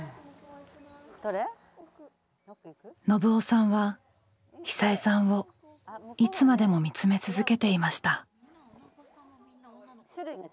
信男さんは久枝さんをいつまでも見つめ続けていました。